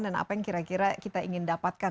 apa yang kira kira kita ingin dapatkan